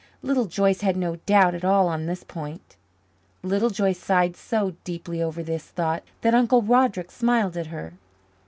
Little Joyce had no doubt at all on this point. Little Joyce sighed so deeply over this thought that Uncle Roderick smiled at her.